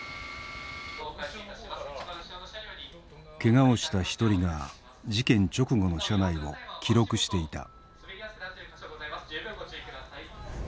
けがをした一人が事件直後の車内を記録していた。